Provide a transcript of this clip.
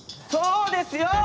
そうですよ